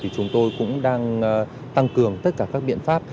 chúng tôi cũng đang tăng cường tất cả các biện pháp